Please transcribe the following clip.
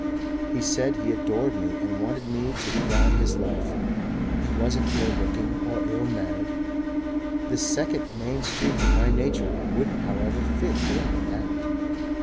He said he adored me and wanted me to crown his life. He wasn't ill looking or ill mannered. The second main streak in my nature wouldn't however fit in with that."